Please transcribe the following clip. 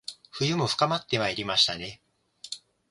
冬も深まってまいりましたね